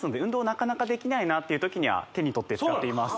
なかなかできないなっていう時には手に取って使っています